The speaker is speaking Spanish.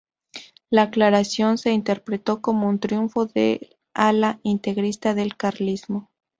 La aclaración se interpretó como un triunfo del ala integrista del carlismo.